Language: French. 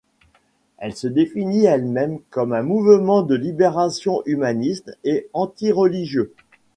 Elle se définit elle-même comme un mouvement de libération humaniste et antireligieux.